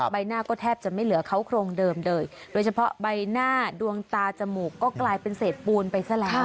ใบหน้าก็แทบจะไม่เหลือเขาโครงเดิมเลยโดยเฉพาะใบหน้าดวงตาจมูกก็กลายเป็นเศษปูนไปซะแล้ว